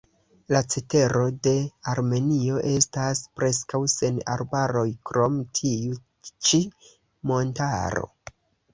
La cetero de Armenio estas preskaŭ sen arbaroj krom tiu ĉi montaro.